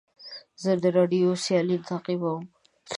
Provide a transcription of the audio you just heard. زه د راډیو سیالۍ تعقیبوم.